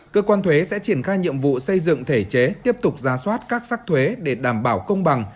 cơ quan thuế sẽ triển khai nhiệm vụ xây dựng thể chế tiếp tục ra soát các sắc thuế để đảm bảo công bằng